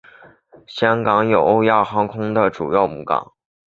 香港有欧亚航空的主要母港。